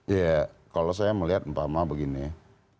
ya kalau saya melihat mpama begini